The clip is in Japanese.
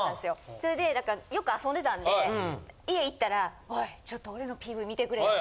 それでよく遊んでたんで家行ったら「おいちょっと俺のＰＶ見てくれ」。